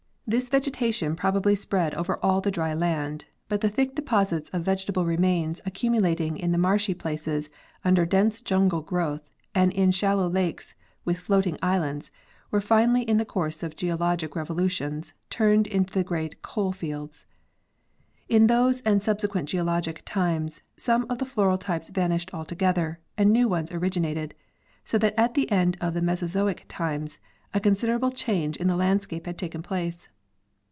This vegetation probably spread over all the dry land, but the thick deposits of vegetable remains accumulating in ne marshy places under dense jungle growth and in shallow lakes with floating islands, were finally in the course of geologic revolutions, turned into the great coal fields. In those and subsequent geologic times some of the floral types vanished altogether and new ones originated, so that at the end of Mesozoic times a considerable change in the landscape had taken place.